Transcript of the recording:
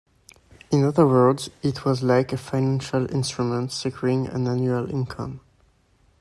In other words, it was like a financial instrument securing an annual income.